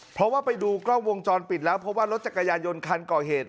เพราะว่าไปดูกล้องวงจรปิดแล้วเพราะว่ารถจักรยานยนต์คันก่อเหตุ